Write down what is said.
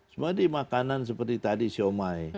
cuma di makanan seperti tadi siomay